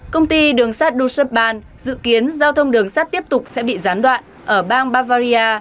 công ty đường sát dushanban dự kiến giao thông đường sát tiếp tục sẽ bị gián đoạn ở bang bavaria